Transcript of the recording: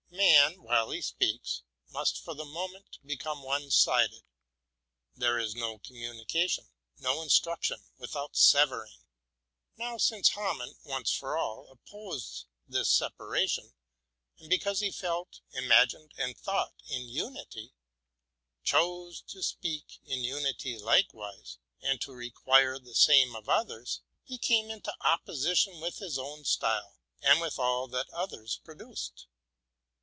Man, while he speaks, must, for the moment, become one sided: there is no communication, no instruction, without severing. Now, since Hamann, once for all, opposed this separation, and because he felt, ima gined, and thought in unity, chose to speak in unity likewise, and to require the same of others, he came into opposition with his own style, and with all that others produced.